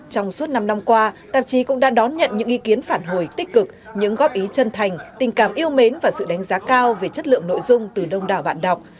trong suốt năm năm qua tạp chí cũng đã đón nhận những ý kiến phản hồi tích cực những góp ý chân thành tình cảm yêu mến và sự đánh giá cao về chất lượng nội dung từ đông đảo bạn đọc